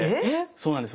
そうなんです